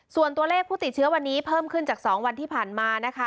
ส่วนตัวเลขผู้ติดเชื้อวันนี้เพิ่มขึ้นจาก๒วันที่ผ่านมานะคะ